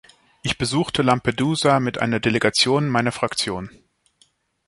Ich besuchte Lampedusa mit einer Delegation meiner Fraktion.